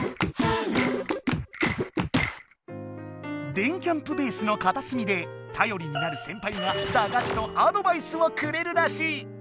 電キャんぷベースのかたすみでたよりになるセンパイが駄菓子とアドバイスをくれるらしい。